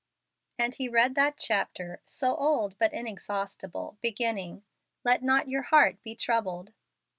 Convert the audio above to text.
And he read that chapter, so old but inexhaustible, beginning, "Let not your heart be troubled."